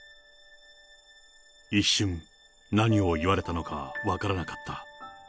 一瞬、何を言われたのか分からなかった。